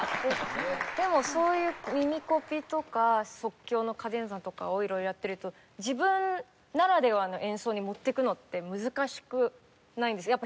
でもそういう耳コピとか即興のカデンツァとかを色々やってると自分ならではの演奏に持っていくのって難しくないんですか？